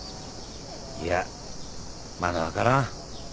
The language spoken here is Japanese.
いやまだ分からん。